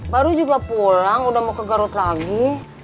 baru juga pulang udah mau ke garut lagi